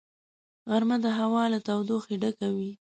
غرمه د هوا له تودوخې ډکه وي